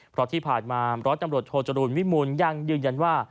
เพราะที่ผ่านมาร้อยตำรวจโทจรูลวิมูลยังยืนยันว่า